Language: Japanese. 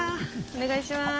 お願いします。